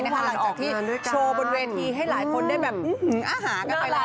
หลังจากที่โชว์บนเวทีให้หลายคนได้แบบอาหารกันไปแล้ว